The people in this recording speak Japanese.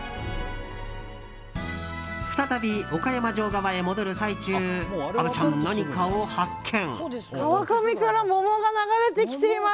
再び岡山城側へ戻る最中虻ちゃん、何かを発見。